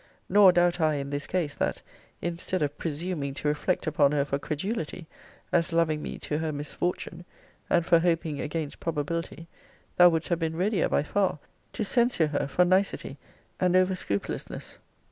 Nor doubt I, in this case, that, instead of presuming to reflect upon her for credulity, as loving me to her misfortune, and for hoping against probability, thou wouldest have been readier, by far, to censure her for nicety and over scrupulousness.